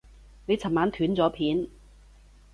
你尋晚斷咗片